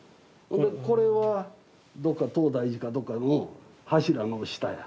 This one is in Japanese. これはどっか東大寺かどっかの柱の下や。